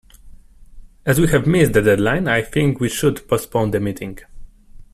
As we've missed the deadline, I think we should postpone the meeting.